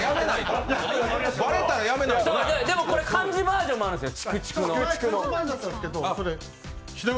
これ、竹竹の漢字バージョンもあるんですよ。